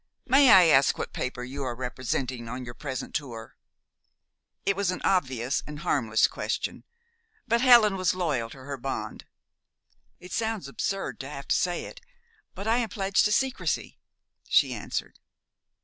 "May I ask what paper you are representing on your present tour?" It was an obvious and harmless question; but Helen was loyal to her bond. "It sounds absurd to have to say it, but I am pledged to secrecy," she answered.